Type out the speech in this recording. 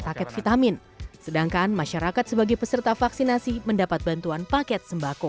paket vitamin sedangkan masyarakat sebagai peserta vaksinasi mendapat bantuan paket sembako